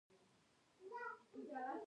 مسلکي توب د ادارې اړتیا ده